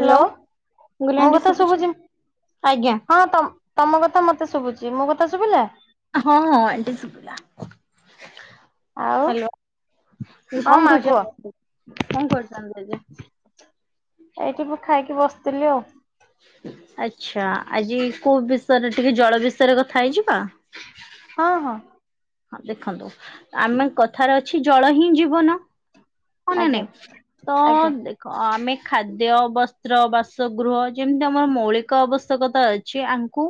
Hello ମୁଁ କହିଲି ମୋ ଆଣ୍ଟି କଥା ଶୁଭୁଛି ଆଜ୍ଞା। ହଁ ତମ ତମ କଥା ମତେ ଶୁଭୁଛି ମୋ କଥା ଶୁଭିଲା। ହଁ ହଁ ଏଣ୍ଟି ଶୁଭିଲା। ଆଉ ହ୍ୟାଲୋ ହଁ କଣ ମା କରୁଛ କୁହ [unintelligible] କଣ କରଛନ୍ତି ଯେ। ଏଇଠି ମୁ ଖାଇକି ବସିଥିଲି ଆଉ। ଆଚ୍ଛା ଆଜି କୋଉ ବିଷୟରେ ଟିକେ ଜଳ ବିଷୟରେ କଥା ହେଇଯିବା। ହଁ ହଁ। ହଁ ଦେଖନ୍ତୁ ଆମେ କଥାରେ ଅଛି ଜଳ ହିଁ ଯ ବନା ହ ନା ଆଜ୍ଞା ନାଇଁ ତ ଆଜ୍ଞା ହ ଆମେ ଖାଦ୍ୟ ବସ୍ତ୍ର ବାସଗୃହ ଯେମିତି ଆମର ମୌଳିକ ଆବଶ୍ୟକତା ଅ ଛି ଆଙ୍କୁ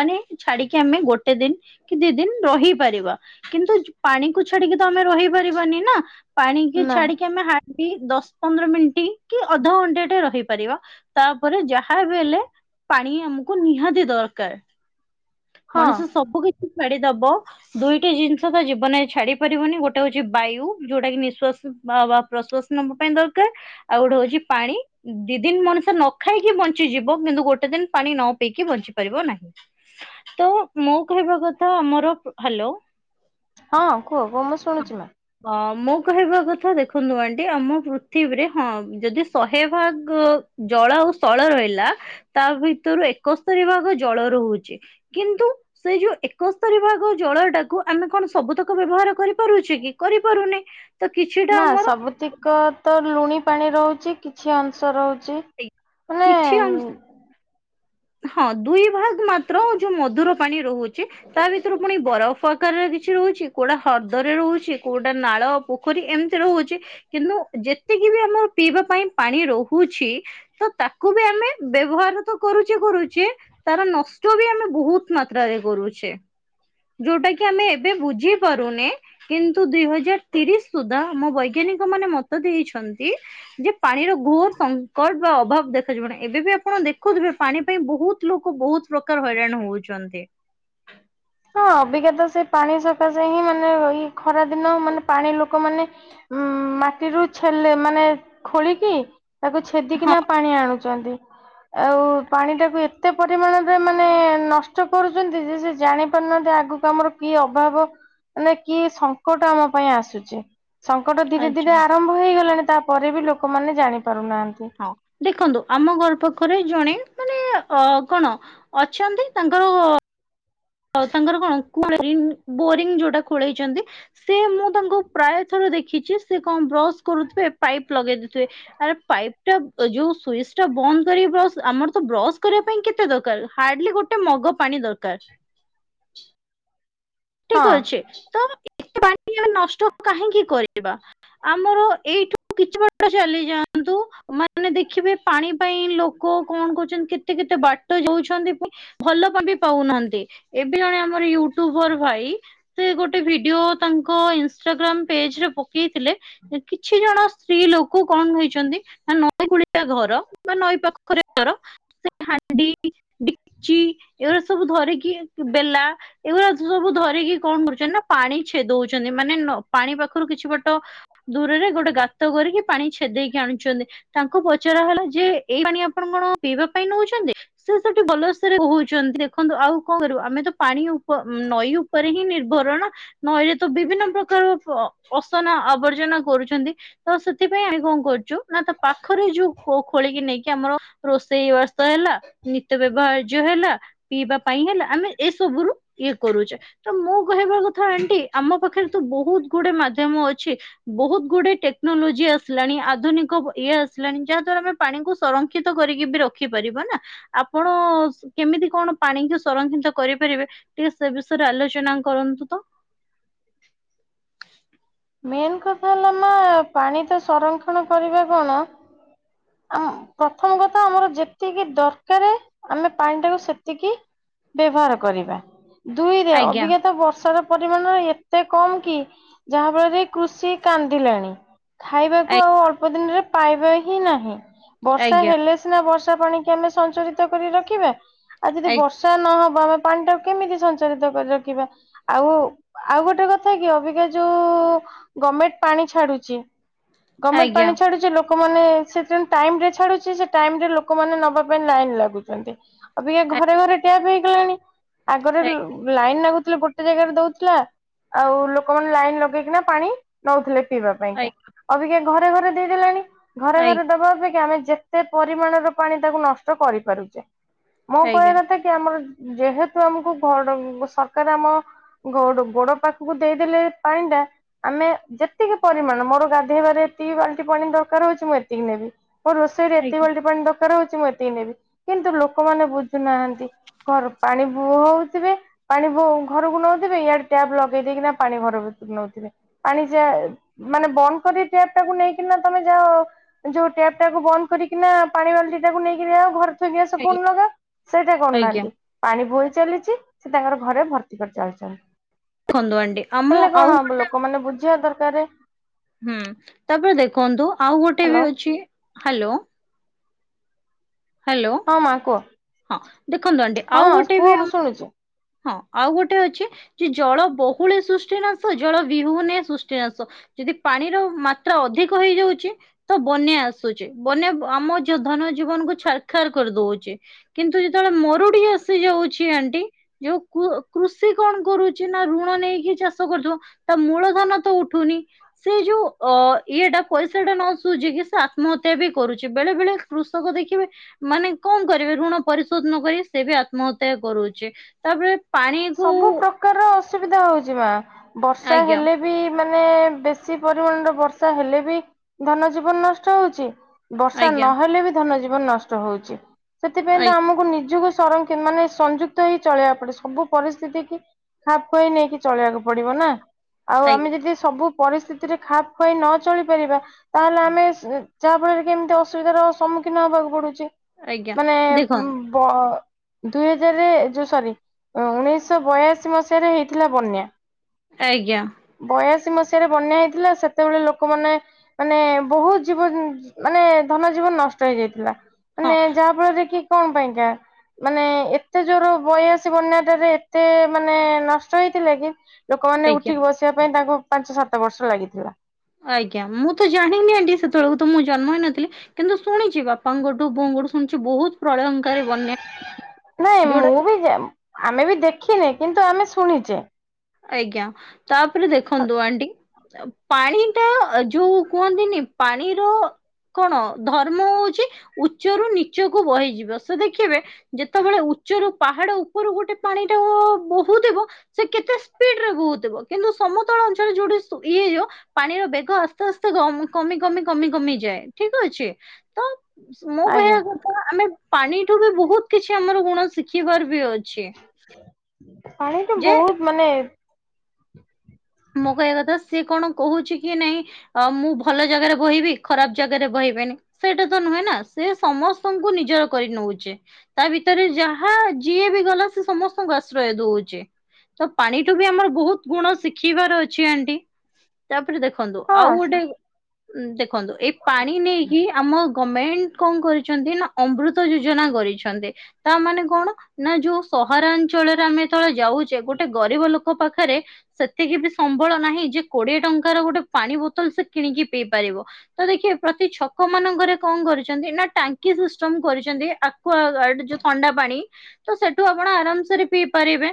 ମାନେ ଛାଡିକି ଆମେ ଗୋଟେ ଦିନ କି ଦି ଦିନ ରହି ପାରିବା କିନ୍ତୁ ପାଣିକୁ ଛାଡିକି ତ ଆମେ ରହି ପାରିବାନି ନା ପାଣି କି ନା ଛାଡିକି ଆମେ ଦଶ ପନ୍ଦର ମିନିଟ କି ଅଧଘଣ୍ଟା ଟେ ରହିପାରିବା। ତାପରେ ଯାହା ବି ହେଲେ ପାଣି ଆମକୁ ନିହାତି ଦରକାର। ହଁ ମଣିଷ ସବୁ କିଛି ଛାଡିଦବ ଦୁଇ ଗୋଟେ ଜିନିଷ ତ ଜୀବନରେ ଛାଡି ପାରିବନି ଗୋଟେ ହଉଛି ବାୟୁ ଯୋଉଟା କି ନିଶ୍ାସ ବା ପ୍ରଶ୍ଵାସ ନବା ପାଇଁ ଦରକାର ଆଉ ଗୋଟେ ହଉଛି ପାଣି ଦି ଦିନ ମଣିଷ ନ ଖାଇକି ବଞ୍ଚିଯିବ କିନ୍ତୁ ଗୋଟେ ଦିନ ପାଣି ନ ପିଇକି ବଞ୍ଚି ପାରିବ ନାହିଁ। ତ ମୋ କହିବା କଥା ଆମର ହ୍ୟାଲୋ ହଁ କୁହ କ ମୁଁ ଶୁଛି ମା। ଅ ମୋ କହିବା କଥା ଦେଖନ୍ତୁ ଆଣ୍ଟି ଆମ ପୃଥିବୀରେ ହଁ ଯଦି ଶହେ ଭାଗ ଜଳ ଆଉ ସ୍ଥଳ ରହିଲା ତା ଭିତରୁ ଏକସ୍ତରୀ ଭାଗ ଜଳ ରହୁଛି। କିନ୍ତୁ ସେ ଯୋଉ ଏକସ୍ତରୀ ଭାଗ ଜଳଟା ଆମେ କଣ ସବୁତକ ବ୍ୟବହାର କରିପାରୁଛେ କି କରିପାରୁନେ। ନା ସବୁତିକ ତ ଲୁଣି ପାଣି ରହୁଛି କିଛି ଅଂଶ ରହୁଛି କିଛି ଅଂ ମାନେ ହଁ ଦୁଇ ଭାଗ ମାତ୍ର ଯୋଉ ମଧୁର ପାଣି ରହୁଛି। ତା ଭିତରୁ ପୁଣି ବରଫ ଆକାରରେ କିଛି ରହୁଛି କୋଉଟା ହ୍ରଦରେ ରହୁଛି କୋଉଟା ନାଳ ପୋଖରୀ ଏମିତି ରହୁଛି କିନ୍ତୁ ଯେତିକି ବି ଆମର ପିଇବା ପାଇଁ ପାଣି ରହୁଛି। ତ ତାକୁ ବି ଆମେ ବ୍ୟବହାର ତ କରୁ କରୁଛେ ତାର ନଷ୍ଟ ବି ଆମେ ବହୁତ ମାତ୍ରାରେ କରୁଛେ। ଯୋଉଟା କି ଆମେ ଏବେ ବୁଝି ପାରୁନେ କିନ୍ତୁ ଦୁଇ ହଜାର ତିରିଶ ସୁଦ୍ଧା ଆମ ବୈଜ୍ଞାନିକ ମାନେ ମତ ଦେଇଛନ୍ତି ଯେ ପାଣିର ଘୋର ସଂକଟ ବା ଅଭାବ ଦେଖାଯିବନ ଏବେ ବି ଆପଣ ଦେଖୁଥିବେ ପାଣି ପାଇଁ ବହୁତ ଲୋକ ବହୁତ ପ୍ରକାର ହଇରାଣ ହଉଛନ୍ତି। ହଁ ଅବିକାତ ସେ ପାଣି ସକାଶା ହିଁ ମାନେ ଏଇ ଖରା ଦିନ ମାନେ ପାଣି ଲୋକମାନୋନେ ଉଁ ମାଟିରୁ ଛେଲେ ମାନେ ଖୋଳିକି ତାକୁ ହଁ ଛେଦିକିନା ପାଣି ଆଣୁଛନ୍ତି। ଆଉ ପାଣି ଟାକୁ ଏତେ ପରିମାଣରେ ମାନେ ନଷ୍ଟ କରୁଛନ୍ତି ଯେ ସେ ଜାଣି ପାରୁନାହାନ୍ତି ଆଗକୁ ଆମର କି ଅଭାବ ମାନେ କି ସଙ୍କଟ ଆମ ପାଇଁ ଆସୁଛି। ସଙ୍କଟ ଧୀରେ ଧୀରେ ଆରମ୍ଭ ହେଇଗଲାଣି, ତାପରେ ବି ଲୋକମାନେ ଜାଣି ପାରୁନାହାନ୍ତି। ହଁ ଦେଖନ୍ତୁ, ଆମ ଘର ପାଖରେ ଜଣେ ମାନେ ଅ କଣ ଅଛନ୍ତି ତାଙ୍କର ଆଉ ତାଙ୍କର କଣ ବୋରିଂ ବୋରିଙ୍ଗ ଯୋଉଟା ଖୋଳେଇଛନ୍ତି ସେ ମୁଁ ତାଙ୍କୁ ପ୍ରାୟ ଥର ଦେଖିଛି ସେ କଣ ବ୍ରସ କରୁଥିବେ ପାଇପ୍ ଲଗେଇଦେଇଥିବେ, ଆରେ ପାଇପ୍ ଯୋଉ ସୁଚ ଟା ବନ୍ଦ କରି ବ୍ରସ ଆମର ତ ବ୍ରସ୍ କରିବା ପାଇଁ କେତେ ଦରକାର ହାର୍ଡଲି ଗୋଟେ ଗୋଟେ ମଗ ପାଣି ଦରକାର। ହଁ ଠିକ ଅଛି, ତ ଏତେ ବା ନଷ୍ଟ କାହିଁକି କରିବା। ଆମର ଏଇଠୁ କିଛି ବାଟ ଚାଲି ଯାଆନ୍ତୁ ମାନେ ଦେଖିବେ ପାଣି ପାଇଁ ଲୋକ କଣ କରୁଛନ୍ତି, କେତେ କେତେ ବାଟ ଯା ପୁଣି ଭଲ ପା ବି ପାଉନାହାନ୍ତି ଏବେ ଜଣେ ଆମର ୟୁଟ୍ୟୁବର ଭାଇ ସେ ଗୋଟେ ଭିଡିଓ ତାଙ୍କ ଇନଷ୍ଟାଗ୍ରାମ ପେଜ ରେ ପକେଇଥିଲେ କିଛି ଜଣ ସ୍ତ୍ରୀ ଲୋକ କଣ କଣ ହୋଇଛନ୍ତି ନା ନଈ କୂଳିଆ ଘର ବା ନଈ ପାଖରେ ଘର ସେଇ ହାଣ୍ଡି ଡିକ୍ଚି ଏଗୁଡା ସବୁ ଧରିକି ବେଲା ଏଗୁଡା ସବୁ ଧରିକି କଣ କରୁଛନ୍ତି ନା ପାଣି ଛେଦଉଛନ୍ତି ମାନେ ପାଣି ପାଖରୁ କିଛି ବାଟ ଦୂରରେ ଗୋଟେ ଗାତ କରିକି ପାଣି ଛେଦେଇକି ଆଣୁଛନ୍ତି, ତାଙ୍କୁ ପଚରା ହେଲା ଯେ ଏଇ ପାଣି ଆପଣ କଣ ପିଇବା ପାଇଁ ନଉଛନ୍ତି ସେ ସେଠି ଭଲସେରେ କହୁଛନ୍ତି ଦେଖନ୍ତୁ ଆଉ କଣ କରୁ ଆମେ ତ ପାଣି ଉପ ନଈ ଉପରେ ହିଁ ନିର୍ଭରଣ। ନଈରେ ତ ବିଭିନ୍ନ ପ୍ରକାର ଅସନା, ଆବର୍ଜନା କରୁଛନ୍ତି। ତ ସେଥିପାଇଁ ଆମେ କଣ କରୁଛୁ ନା ତ ପାଖରେ ଯୋଉ ଖୋଳିକି ନେଇକି ଆମର ରୋଷେଇ ବାସ ହେଲା ନିତ ବ୍ୟବହାର୍ଯ୍ୟ ହେଲା। ପିଇବା ପାଇଁ ହେଲା ଆମେ ଏସବୁ ରୁ ଇଏ କରୁଛେ, ତ ମୁଁ କହିବା କଥା ଆଣ୍ଟି ଆମ ପାଖରେ ତ ବହୁତ ଗୁଡେ ମାଧ୍ୟମ ଅଛି। ବହୁତ ଗୁଡେ ଟେକ୍ନୋଲୋଜି ଆସିଲାଣି, ଆଧୁନିକ ଇଏ ଆସିଲାଣି, ଯାହା ଦ୍ଵାରା ଆମେ ପାଣିକୁ ସଂରକ୍ଷିତ କରିକି ବି ରଖିପାରିବ ନା। ଆପଣ କେମିତି କଣ ପାଣିିକି ସଂରକ୍ଷିତ କରିପାରିବେ ଟିକେ ସେ ବିଷୟରେ ଆଲୋଚନା କରନ୍ତୁ ତ। ମେନ୍ କଥା ହେଲା ମା ପାଣି ତ ସଂରକ୍ଷଣ କରିବା କଣ ଆ ପ୍ରଥମ କଥା ଆମର ଯେତିକି ଦରକାର ଆମେ ପାଣି ଟାକୁ ସେତିକି ବ୍ୟବହାର କରିବା। ଦୁଇରେ ଆଜ୍ଞା ଅଭିକା ତ ବର୍ଷା ର ପରିମାଣ ଏତେ କମ୍ କି ଯାହାଫଳରେ କୃଷି କାନ୍ଦିଲାଣି ଖାଇବାକୁ ଆଜ୍ଞା ଆଉ ଅଳ୍ପ ଦିନରେ ପାଇବା ହିଁ ନାହିଁ, ବର୍ଷା ଆଜ୍ଞା ହେଲେ ସିନା ବର୍ଷା ପାଣି କି ଆମେ ସଞ୍ଚରିତ କରି ରଖିବା। ଆଉ ଯଦି ବର୍ଷା ନହବ ଆମେ ପାଣି ଟା କୁ କେମିତି ସଞ୍ଚାରିତ କରି ରଖିବା, ଆଉ ଆଉ ଗୋଟେ କଥା କି ଅବିକା ଯୋଉ ଗମେଣ୍ଟ ପାଣି ଛାଡୁଛି, ଗମେଣ୍ଟ ଆଜ୍ଞା ପାଣି ଛାଡୁଛି ଲୋ ଲୋକମାନେ ସେଥି ଟାଇମ ରେ ଛାଡୁଚି ସେ ଟାଇମ ରେ ଲୋକମାନେ ନବା ପାଇଁ ଲାଇନ ଲାଗୁଛନ୍ତି। ଅଭିକା ଘରେ ଘରେ ଟ୍ୟାପ ହେଇଗଲାଣି, ଆଗରେ ଆଜ୍ଞା ଲାଇନ୍ ନାଗୁଥିଲେ ଗୋଟ ଗୋଟେ ଜାଗାରେ ଦଉଥିଲା ଆଉ ଲୋକମାନେ ଲାଇନ ଲଗେଇକିନା ପାଣି ନଉଥିଲେ। ପିଇବା ପାଇଁକା ଅବିକା ଘରେ ଘରେ ଦେଇଦେଲାଣି, ଘରେ ଆଜ୍ଞା ଘରେ ଦବା ଅପେକ୍ଷା ଆମେ ଯେତେ କେତେ ପରିମାଣର ପାଣି ତାକୁ ନଷ୍ଟ କରିପାରୁଛେ, ମୋ କହିବା ଆଜ୍ଞା କଥା ଆମର ଯେହେତୁ ଆମକୁ ଘ ସରକାର ଆମ ଗୋ ଗୋଡ ପାଖକୁ ଦେଇଦେଲେ ପାଣି ଟା ଆମେ ଯେତିକି ପରିମାଣ ମୋର ଗାଧେଇବାରେ ଏତିକି ବାଲଟି ପାଣି ଦରକାର ହଉଛି, ମୁଁ ଏତିକି ନେବି। ମୋ ରୋଷେଇରେ ଏତିକ ଆଜ୍ଞା ବାଟି ପାଣି ଦରକାର ହଉଛି ମୁଁ ଏତିକି ନେବି କିନ୍ତୁ ଲୋକମାନେ ବୁଝୁନାହାନ୍ତି। କଣ ପାଣି ବୁହ ହଉଥିବେ। ପାଣି ବୋ ଘରକୁ ନଉଥିବେ ଇଆଡ ଟ୍ୟାବ ଲଗେଇ ଦେଇକିନା ପାଣି ଘର ଭିତରୁକୁ ନଉଥିବେ ପାଣି ଯ ମାନେ ବନ୍ଦ କରି ଟ୍ୟାପ ଟାକୁ ନେଇକିନା ତମେ ଯାଅ ଯୋଉ ଟ୍ୟାପ ଟାକୁ ବନ୍ଦ କରିକିନା ପାଣି ବାଲଟି ଟାକୁ ନେଇକି ଯ ଆ ଘର ଆଜ୍ଞା ସ ଫୁନ ଲଗା ସେଇଟା ଆଜ୍ଞା କରୁନାହାନ୍ତି। ପାଣି ବୋହି ଚାଲିଡି ସେ ତାଙ୍କର ଘରେ ଭର୍ତି କରି ଚାଲିଚନ୍ତି। ପନ୍ଦୁଡି [unintelligible] କଣ ହବ ଲୋକମାନୋନ ବୁଝିବା ଦରକାରେ। ହୁଁ ତାପରେ ଦେଖନ୍ତୁ ଆଉ ଗୋଟେ ବି ହ୍ୟାଲୋ ଅଛି ହ୍ୟାଲୋ ହ୍ୟାଲୋ ହଁ ମା କୁହ ହଁ ଦେଖନ୍ତୁ ଆନ୍ତି ଆଉ ହଁ ଗୋଟେ କୁହ ବି ମୁଁ ଆମ ଶୁଣୁଛି। ହଁ ଆଉ ଗୋଟେ ଅଛି ଯେ ଜଳ ବହୁଳେ ସୃଷ୍ଟିନାଶ ଜଳ ବିହୁନେ ସୃଷ୍ଟିନାଶ ଯଦି ପାଣିର ମାତ୍ରା ଅଧିକ ହେଇଯାଉଚି ତ ବନ୍ୟା ଆସୁଚି ବନ୍ୟା ଆମ ଯ ଧନ ଜୀବନ କୁ ଛାରଖାର କରିଦଉଚି। କିନ୍ତୁ ଯେତେବେଳେ ମରୁଡି ଆସି ଯାଉଛି ଆଣ୍ଟି ଯୋଉ କୃଷି କଣ କରୁଚି ନା ଋଣ ନେଇକି ଚାଷ କରୁଥିବ। ତା ମୂଳ ଧନ ତ ଉଠୁନି। ସେ ଯୋଉ ଅ ଇଏଟା ପଇସା ଟା ନ ଶୁଝ କି ସେ ଆତ୍ମହତ୍ୟା ବି କରୁଛି ବେଳେ ବେଳେ କୃଷକ ଦେଖିବେ ମାନେ କଣ କରିବେ ଋଣ ପରିଶୋଧ ନ କରି ସେ ବି ଆତ୍ମହତ୍ୟା କରୁଚି ତାପରେ ପାଣିକୁ ସବୁ ପ୍ରକାରର ଅସୁବିଧା ହଉଛି ମା ବର୍ଷା ଆଜ୍ଞା ହେଲେ ବି ମାନେ ବେଶୀ ପରିମାଣରରେ ବର୍ଷା ହେଲେ ବି ଧନ ଜୀବନ ନଷ୍ଟ ହଉଚି ବର୍ଷା ଆଜ୍ଞା ନହେଲେ ବି ଧନ ଜୀବନ ନଷ୍ଟ ହଉଛି ସେଥିପାଇଁ ତ ଆଜ୍ଞା ଆମକୁ ନିଜକୁ ସଂରକ୍ଷ ମାନେ ସଂଯୁକ୍ତ ହେଇ ଚଳେଇକୁ ପଡେ ସବୁ ପରିସ୍ଥିତି କି ଖାପ ଖୁଆଇ ନେଇକି ଚଳେଇିବାକୁ ପଡିବ ନା ଆଉ ଆମେ ଆଜ୍ଞା ଯଦି ସବୁ ପରିସ୍ଥିତିରେ ଖାପ ଖୁଆଇ ନ ଚଳିପାରିବା ତାହେଲେ ଆମେ ଯାହା ଫଳରେ କି ଏମିତି ଅସୁବିଧାର ସମ୍ମୁଖୀନ ହବାକୁ ପଡୁଚି। ଆଜ୍ଞା ମାନେ ଦେଖନ୍ତୁ ବ ଦୁଇ ହଜାରରେ ଯଉ ସରି ଉଣେଇଶହ ବୟାଅଶୀ ମସିହାରେ ହେଇଥିଲା ବନ୍ୟା। ଆଜ୍ଞା। ବୟାଶୀ ମସିହାରେ ବନ୍ୟା ହେଇଥିଲା ସେତେବେଳେ ଲୋକମାନେ ମାନେ ବହୁତ ଜୀବନ ମାନେ ଧନ ଜୀବନ ନଷ୍ଟ ହେଇଯାଇଥିଲା। ହଁ ମାନେ ଯାହା ଫଳରେ କି କଣ ପାଇଁକା ମାନେ ଏତେ ଜୋର ବୟାଅଶି ବନ୍ୟା ଏତେ ମାନେ ନଷ୍ଟ ହେଇଥିଲେ କି ଲୋକମାନୋନ ଆଜ୍ଞା ଉଠିକି ବସି ଉଠିବା ପାଇଁ ତାଙ୍କୁ ପାଞ୍ଚ ସାତ ବର୍ଷ ଲାଗିଥିଲା। ଆଜ୍ଞା ମୁଁ ତ ଜାଣିନି ଆଣ୍ଟି ସେତେବେଳକୁ ତ ମୁଁ ଜନ୍ମ ହେଇନଥିଲି କିନ୍ତୁ ଶୁଣିଚି ବାପାଙ୍କଠୁ ବୋଅଙ୍କଠୁ ଶୁଣିଚି ବହୁତ ପ୍ରଳୟଙ୍କାରେ ବନ୍ୟା ନାଇଁ ଯୋଉଟା ମୁଁ କି ବି ଯା ଆମେ ବି ଦେଖିନେ କିନ୍ତୁ ଆମେ ଶୁଣିଚେ ଆଜ୍ଞା ତାପରେ ଦେଖନ୍ତୁ ଆଣ୍ଟି ପାଣି ଟା ଯୋଉ କୁହନ୍ତିନି ପାଣିର କଣ ଧର୍ମ ହଉଛି ଉଚ୍ଚରୁ ନିଚକୁ ବହିଯିବ ସେ ଦେଖିବେ ଯେତେବେଳେ ଉଚ୍ଚରୁ ପାହାଡ ଉପରୁ ଗୋଟେ ପାଣି ଟା ବୋହୁଥିବ ସେ କେତେ କହୁଥିବ କିନ୍ତୁ ସମତଳ ଅଞ୍ଚଳରେ ଯୋଉଠି ଇଏ ଯ ପାଣିର ବେଗ ଆସ୍ତେ ଆସ୍ତେ କମି କମି କମି କମିଯାଏ ଠିକ୍ ଅଛି ତ ମୁଁ ଆଜ୍ଞା କହିବା କଥା ଆମେ ପାଣିଠୁ ବି ବହୁତ କିଛି ଆମର ଗୁଣ ଶିଖିବାର ବି ଅଛି। ପାଣି ତ ଯେ ବହୁତ ମାନେ ମଁ କହିବା କଥା ସେ କଣ କହୁଛି କି ନାଇଁ ଅ ମୁଁ ଭଲ ଜାଗାରେ ବହିବି ଖରାପ ଜାଗାରେ ବହିବନି। ସେଇଟା ତ ନୁହେଁ ନା ସେ ସମସ୍ତଙ୍କୁ ନିଜର କରି ନଉଚି। ତା ଭିତରେ ଯାହା ଯିଏ ବି ଗଲା ସେ ସମସ୍ତଙ୍କୁ ଆଶ୍ରୟ ଦଉଚି। ତ ପାଣି ଟୁ ବି ଆମର ବହୁତ ଗୁଣ ସୀକ୍ ସିଖିବାର ଅଛି ଆଣ୍ଟି ତାପରେ ଦେଖନ୍ତୁ ଆଉ ହଁ ଗୋଟେ। ଦେଖନ୍ତୁ ଏଇ ପାଣି ନେଇକି ଆମ। ଗମେଣ୍ଟ କଣ କରିଛନ୍ତି ନା ଅମୃତ ଯୋଜନା କରିଛନ୍ତି। ତା ମାନେ କଣ ନା ଯୋଉ ସହରାଞ୍ଚଳରେ ଆମେ। ଯେତେବେଳେ ଯାଉଛେ ଗୋଟେ ଗରିବ ଲୋକ ପାଖରେ। ସେତିକି ବି ସମ୍ବଳ ନାହିଁ ଯେ କୋଡିଏ ଟଙ୍କାର ଗୋଟେ ପାଣି ବୋତଲ ସେ କିଣିକି ପିଇ ପାରିବ। ତ ଦେଖିବେ ପ୍ରତି ଛକ ମାନଙ୍କରେ କଣ କରିଛନ୍ତି ନା ଟା ଟାଙ୍କି ସିଷ୍ଟମ କରିଛନ୍ତି ଆକୁଆ ଗାଡ଼ ଯୋଉ ଥଣ୍ଡା ପଣି। ତ ସେଠୁ ଆପଣ ଆରାମସରେ ପିଇ ପାରିବେ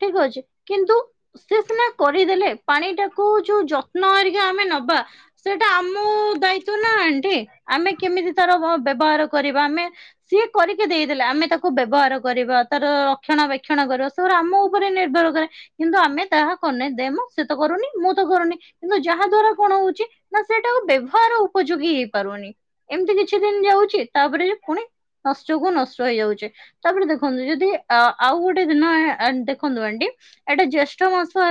ଠିକ୍ ଅଛି କିନ୍ତୁ। ସିଏ ସିନା କରିଦେଲେ ପାଣି ଟାକୁ ଯୋଉ ଯତ୍ନ ହେରିକା ଆମେ ନବା। ସେଟା ଆମ ଦାୟିତ୍ୱ ନା ଆଣ୍ଟି ଆମେ କେମିତି ତାର ବ୍ୟବହାର କରିବା ଆମେ। ସିଏ କରିକି ଦେଇଦେଲେ ଆମେ ତାକୁ ବ୍ୟବହାର କରିବା। ତାର ରକ୍ଷଣ ବେକ୍ଷଣ କରିବ ସେଗୁରାଆମ ଉପରେ ନିର୍ଭର କରେ। କିନ୍ତୁ ଆମେ ତାହା କରୁନେ ଦେମ ସେ ତ କରୁନି ମୁଁ ତ କରୁନି। କିନ୍ତୁ ଯାହା ଦ୍ଵାରା କଣ ହଉଛି ନା ସେଇଟାଆଉ ବ୍ୟବହାର ଉପଯୋଗୀ ହେଇପାରୁନି। ଏମିତି କିଛି ଦିନ ଯାଉଛି ତାପରେ ଯେ ପୁଣି ନଷ୍ଟ କୁ ନଷ୍ଟ ହେଇଯାଉଛି। ତାପରେ ଦେଖନ୍ତୁ ଯଦି ଅ ଆଉ ଗୋଟେ ଦିନ ଦେଖନ୍ତୁ ଆଣ୍ଟୀ। ଏଟା ଜ୍ୟେଷ୍ଠ ମାସ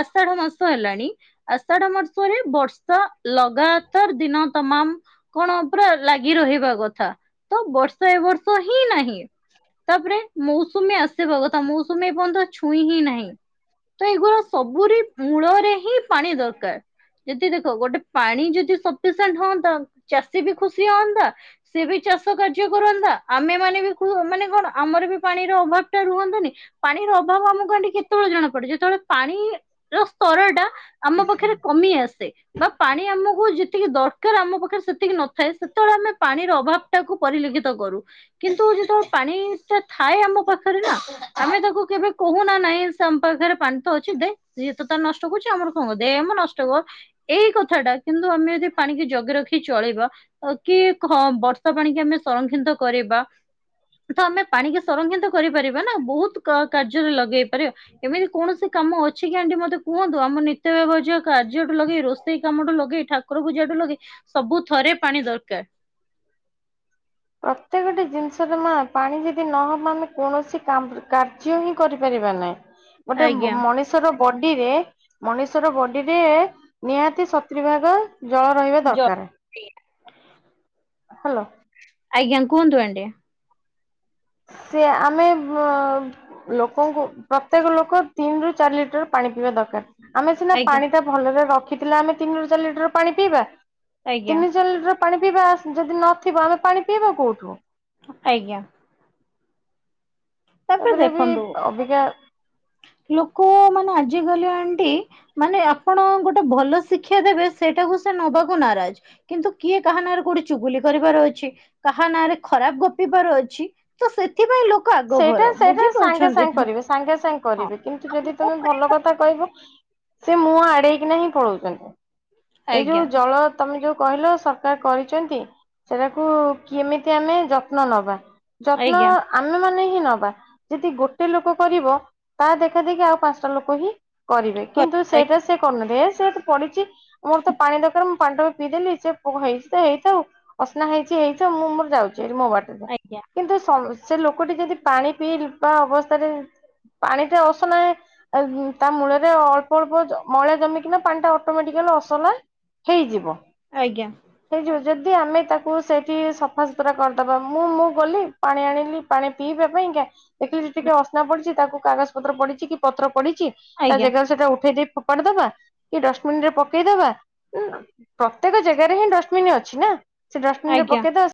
ଆଷାଢ଼ ମାସ ହେଲାଣି ଆଷା ଆଷାଢ଼ ମାସରେ ବର୍ଷା ଲଗାତାର ଦିନ ତମାମ। କଣ ପୁରା ଲାଗି ରହିବା କଥା ତ ବର୍ଷା ଏ ବର୍ଷ ହିଁ ନାହିଁ। ତାପରେ ମୌସୁମୀ ଆସିବା କଥା ମୌସୁମୀ ଏ ପର୍ଯ୍ୟନ୍ତ ଛୁଇଁ ହିଁ ନାହିଁ। କେବଳ ସବୁରି ମୂଳରେ ହିଁ ପାଣି ଦରକାର ଯଦି ଦେଖ ଗୋଟେ ପାଣି ଯଦି। ସଫିସେଣ୍ଡେ ହନ୍ତା ଚାଷୀ ବି ଖୁସି ହଅନ୍ତା। ସେ ବି ଚାଷ କାର୍ଯ୍ୟ କରନ୍ତା ଆମେ ମାନେ ବି ମାନେ କଣ ଆମର ବି ପାଣିର ଅଭାବ ଟା ରୁହନ୍ତାନି। ପାଣିରଅଭାବ ଆମ କେତେବେଳେ ଜଣା ପଡେ ଯେତେବେଳେ ପାଣିର ସ୍ତର ଟା ଆମ ପାଖରେ କମି ଆସେ। ବା ପାଣି ଆମକୁ ଯେତିକି ଦରକାର ଆମ ପାଖରେ ସେତିକି ନଥାଏ ସେତେବେଳେ ଆମେ ପାଣିର ଅଭାବ। ଟାକୁୁ ପରିଲିକ୍ଷିତ କରୁ। କିନ୍ତୁ ଯେତେବେଳେ ପାଣିଟା ଥାଏ ଆମ ପାଖରେ ନା ଆମେ ତାକୁ କେବେ କହୁନା ନାହିଁ। ଆମ ପାଖରେ ପାଣି ତ ଅଛି ଦେ ଜିଏତ ତାର ନଷ୍ଟ କରୁଛି ଆମର କଣ କ ଦେମ ନଷ୍ଟ କର। ଏଇ କଥା ଟା କିନ୍ତୁ ଆମେ ଯଦି ପାଣିିକି ଜଗି ରଖି ଚଳିବା। କି ହଁ ବର୍ଷା ପାଣି କି ଆମେ ସଂରକ୍ଷିତ କରିବା। ତ ଆମେ ପାଣିିକି ସଂରକ୍ଷିତ କରିପାରିବା ନା ବହୁତ କାର୍ଯ୍ୟରେ ଲଗେଇ। ଦେଇପାରିବା। ଏମିତି କୌଣସି କାମ ଅଛି କି ଆଣ୍ଟି ମୋତେ କୁହନ୍ତୁ ଆମ ନିତ୍ୟ ବ୍ୟଭଜ କାର୍ଯ୍ୟଠୁ ଲଗେଇ ରୋ ରୋସେଇ କାମଠୁ ଲଗେଇ ଠାକୁର ପୂଜାଠୁ ଲଗେଇ ସବୁ ଥରେ ପାଣି ଦରକାର। ପ୍ରତ୍ୟେକଟି ଜିନିଷରେ ମା ପାଣି ଯଦି ନହବ ଆମେ କୌଣସି କାମ କାର୍ଯ୍ୟ ହିଁ କରିପାରିବା ନାହିଁ ଗୋଟେ ଆଜ୍ଞା ମଣି ମଣିଷର ବଡିରେ ମଣିଷର ବଡିରେ ନିହାତି ସତୁରି ଭାଗ। ଜଳ ରହିବା ଜ ଦରକାର। ହ୍ୟାଲୋ। ଆଜ୍ଞା କୁହନ୍ତୁ ଆଣ୍ଟି। ସେ ଆମେ ବ ଲୋକଙ୍କୁ ପ୍ରତ୍ୟେକ ଲୋକ ତିନି ରୁ ଚାରି ଲିଟର ପାଣି ପିଇବା ଦରକାର। ଆମେ ସିନା ଆଜ୍ଞା ପାଣି ଟା ଭଲରେ ରଖିଥିଲେ ଆମେ ତିନିରୁ ଚାରି ଲିଟର ପାଣି ପିଇବା। ଆଜ୍ଞା ତିନି ଚାରିଲିଟର ପାଣି ପିଇବା ଯଦି ନଥିବ ଆମେ ପାଣି ପିଇବା କୋଉଠୁ। ଆଜ୍ଞା। ତାପରେ ବି ଅବିକା। ଲୋକ ମାନେ ଆଜିକାଲି ଆଣ୍ଟି। ମାନେ ଆପଣ ଗୋଟେ ଭଲ ଶିକ୍ଷା ଦେବେ ସେଇଟାକୁ ସେ ନବାକୁ ନାରାଜ। କିନ୍ତୁ କିଏ କାହା ନାରେ କୋଉଠି ଚୁଗୁଲି କରିବାର ଅଛି କାହା ନାଁ ରେ ଖରାପ ଗପିବାର ଅଛି ତ ସେଥିପାଇଁ ଲୋ ସେଟା ସେଟା ସାଙ୍ଗେ ସାଙ୍ଗେ କରିବେ ସାଙ୍ଗେ ସାଙ୍ଗେ ହଁ। କରିବେ କିନ୍ତୁ ଯଦି ତମେ ଭଲ କ ତା କଇବ ସେ ମୁହଁ ଆଡ଼େଇକିନା ହିଁ ପଳଉଚନ୍ତି। ଏଇ ଆଜ୍ଞା ଯୋଉ ଜଳ ତମେ ଯୋଉ କହିଲ ସରକାର କରିଚନ୍ତି ସେଟାକୁ କେମିତି ଆମେ ଯତ୍ନ ନବା? ଯତ୍ନ ଆଜ୍ଞା ଆ ମାନେ ହିଁ ନବା। ଯେଦି ଗୋଟେ ଲୋକ କରିବ ତା ଦେଖା ଦେଖି ଆଉ ପାଁଶଟା ଲୋକ ହିଁ କରିବେ କିନ୍ତୁ ଆଜ୍ଞା ସେଇଟା ସେ କରନ ଭେ ସେ ଏତେ ପଡ଼ିଚି ମୋର ତ ପାଣି ଦରକାର ମୁଁ ପାଣି ଟୋପେ ପିଇଦେଲି ସେ ପୁ ହେଇଚି ତ ହେଇଥାଉ। ଅସ୍ନା ହେଇଚି ହେଇଥାଉ ମୁଁ ମୋର ଯାଉଚି ହାରି ମୋ ବାଟରେ ଆଜ୍ଞା କିନ୍ତୁ ସଁ ସେ ଲୋକଟି ଯଦି ପାଣି ପିଇଲ୍ ବା ଅବସ୍ଥାରେ ପାଣିଟା ଅସନା ଏ ତା ମୂଳରେ ଅଳ୍ପ ଅଳ୍ପ ଜ ମଇଳା ଜମିକିନା ପାଣିଟା ଅଟୋମେଟିକାଲ୍ ଅସନା ହେଇଯିବ। ଆଜ୍ଞା। ହେଇଯିବ ଯଦି ଆମେ ତାକୁ ସେଇଠି ସଫାସୁତୁରା କରିଦବା ମୁଁ ମୁଁ ଗଲି ପାଣି ଆଣିଲି। ପାଣି ପିଇବା ପାଇଁକା ଦେଖିଲି ଯେତିକି ଅସ୍ନା ପଡ଼ିଚି ତାକୁ କାଗଜ ପତ୍ର ପଡ଼ିଚି କି ପତ୍ର ପଡ଼ିଚି ତା ଜେଗାରୁ ସେଟା ଉଠେଇ ଦେଇ ଫୋପାଡ଼ି ଦବା କି ଡଷ୍ଟବିନ୍ ରେ ପକେଇଦବା ଉଁ ପ୍ରତ୍ୟେକ ଜେଗାରେ ହିଁ ଡଷ୍ଟବିନ୍ ଅଛି ନାଁ ସେ ଡଷ୍ଟବିନ୍ ରେ ଆଜ୍ଞା। ପକେଇ ଦବା ସ୍